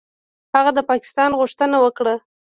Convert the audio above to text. هغه د پاکستان غوښتنه وکړه.